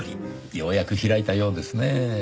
ようやく開いたようですねぇ。